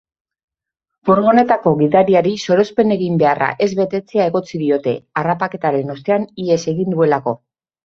Furgonetako gidariari sorospen-eginbeharra ez betetzea egotzi diote, harrapaketaren ostean ihes egin duelako.